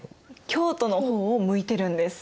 京都の方を向いてるんです。